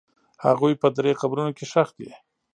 هغوی په درې قبرونو کې ښخ دي.